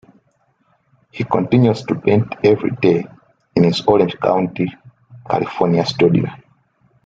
He continues to paint every day in his Orange County, California studio.